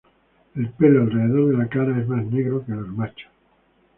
El pelo alrededor de la cara es más negro que en los machos.